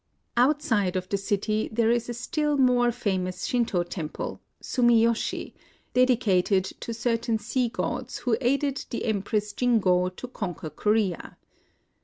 Outside of the city there is a still more famous Shinto temple, Sumiyoshi, dedicated to certain sea gods who aided the Empress Jingo to conquer Korea.